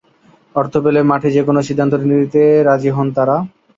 অর্থ পেলে মাঠে যেকোনও সিদ্ধান্ত দিতে রাজি হন তারা।